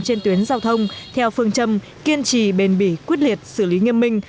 trên tuyến giao thông theo phương châm kiên trì bền bỉ quyết liệt xử lý nghiêm minh